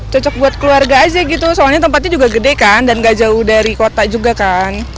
cocok buat keluarga aja gitu soalnya tempatnya juga gede kan dan gak jauh dari kota juga kan